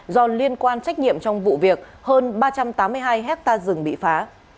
do liên quan trách nhiệm trong vụ việc hơn ba trăm tám mươi hai hectare rừng bị phá